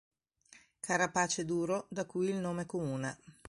Carapace duro, da cui il nome comune.